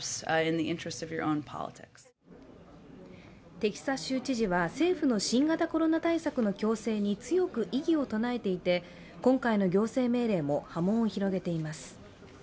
テキサス州知事は政府の新型コロナ対策の強制に強く異議を唱えていて、今回の行政命令も波紋を広げています。